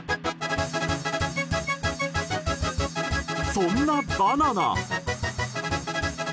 そんなバナナ！